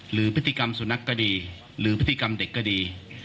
หรือพฤติกรรมสุนัขก็ดีหรือพฤติกรรมเด็กก็ดี